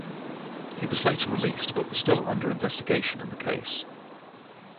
He was later released but was still under investigation in the case.